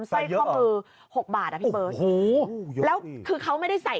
ใส่เยอะเหรอโอ้โหเยอะสิพี่เบิร์ตแล้วคือเขาไม่ได้ใส่